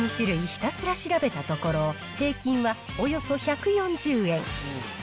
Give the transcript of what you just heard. ひたすら調べたところ、平均はおよそ１４０円。